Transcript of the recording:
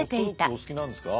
お好きなんですか？